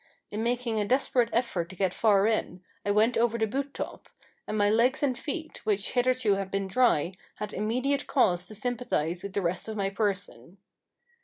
In making a desperate effort to get far in, I went over the boot top; and my legs and feet, which hitherto had been dry, had immediate cause to sympathise with the rest of my person.